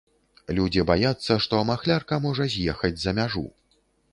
Людзі баяцца, што махлярка можа з'ехаць за мяжу.